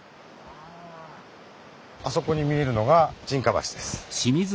あそこに見えるのが沈下橋です。